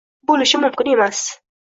Bo`lishi mumkin emas